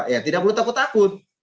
ya tidak perlu takut takut